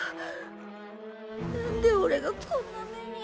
何でおれがこんな目に。